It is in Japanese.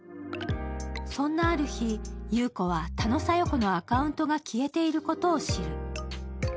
そんなある日、優子は多野小夜子のアカウントが消えていることを知る。